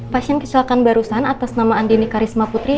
pasien kecelakaan barusan atas nama andini karisma putri